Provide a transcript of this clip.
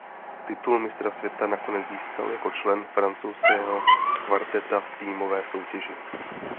Titul mistra světa nakonec získal jako člen francouzského kvarteta v týmové soutěži.